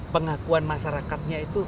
pengakuan masyarakatnya itu